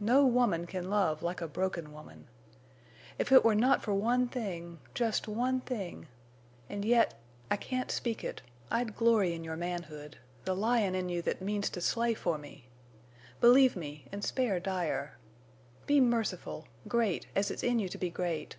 No woman can love like a broken woman. If it were not for one thing—just one thing—and yet! I can't speak it—I'd glory in your manhood—the lion in you that means to slay for me. Believe me—and spare Dyer. Be merciful—great as it's in you to be great....